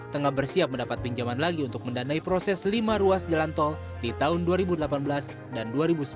tengah bersiap mendapat pinjaman lagi untuk mendanai proses lima ruas jalan tol di tahun dua ribu delapan belas dan dua ribu sembilan belas